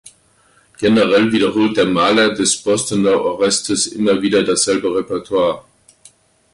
Generell wiederholt der Maler des Bostoner Orestes immer wieder dasselbe Repertoire.